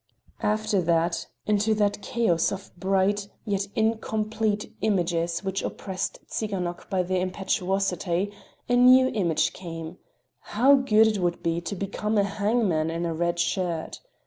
After that, into that chaos of bright, yet incomplete images which oppressed Tsiganok by their impetuosity, a new image came—how good it would be to become a hangman in a red shirt.